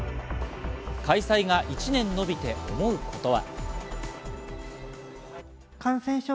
開催が１年延びて思うことは。